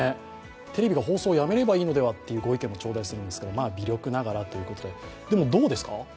テレビが放送やめればいいのではないというご意見も頂戴するんですけど、まあ微力ながらということででも、どうですか？